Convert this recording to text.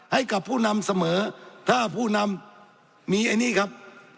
ให้กับผู้นำเสมอถ้าผู้นำมีไอ้นี่ครับ